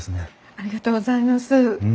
ありがとうございます。